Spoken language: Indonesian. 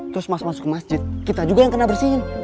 terus masuk ke masjid kita juga yang kena bersihin